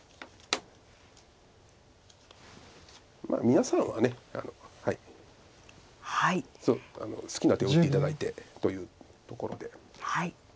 皆さんは好きな手を打って頂いてというところで。